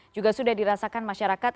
juga sudah dirasakan masyarakat